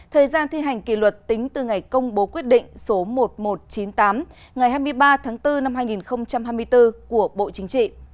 thời gian thi hành kỷ luật tính từ ngày công bố quyết định số một nghìn một trăm chín mươi tám ngày hai mươi ba tháng bốn năm hai nghìn hai mươi bốn của bộ chính trị